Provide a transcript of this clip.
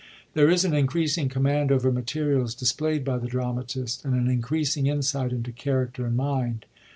There is an increasing command over materials displayd by the dramatist, and an increasing insight into character and mind.